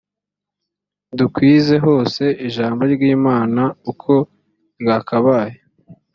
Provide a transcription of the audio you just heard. dukwize hose ijambo ry imana uko ryakabaye